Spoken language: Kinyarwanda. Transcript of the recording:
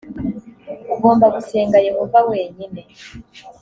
ugomba gusenga yehova wenyine